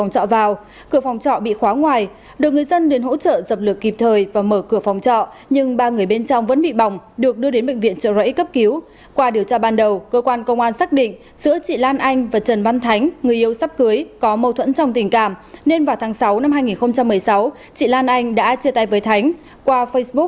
các bạn hãy đăng ký kênh để ủng hộ kênh của chúng mình nhé